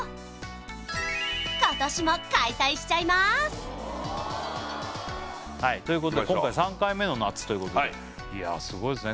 こんなのうまいに決まってるということで今回３回目の夏ということでいやすごいですね